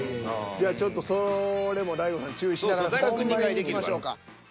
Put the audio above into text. じゃあちょっとそれも大悟さん注意しながら２組目にいきましょうか。